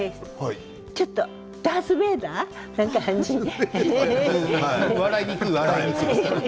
ちょっとダース・ベイダーみたいな感じで。